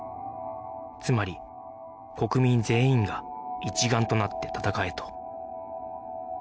つまり国民全員が一丸となって戦えと